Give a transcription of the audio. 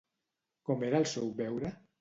Com era el seu beure?